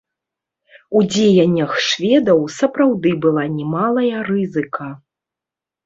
У дзеяннях шведаў сапраўды была немалая рызыка.